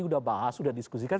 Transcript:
udah bahas udah diskusikan